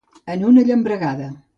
En una llambregada.